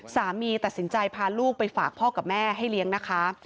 สามีตัดสินใจพาลูกไปฝากพ่อกับแม่ให้เลี้ยงนะคะ